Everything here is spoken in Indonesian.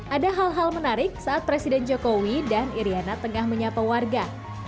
ada hal hal menarik saat presiden jokowi dan iryana tengah menyapa warga